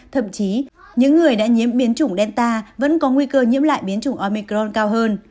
thậm chí những người đã nhiễm biến chủng delta vẫn có nguy cơ nhiễm lại biến chủng omicron cao hơn